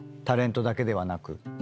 タレントだけではなく。